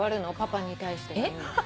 パパに対して。